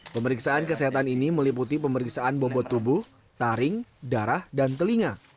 pemeriksaan kesehatan ini meliputi pemeriksaan bobot tubuh taring darah dan telinga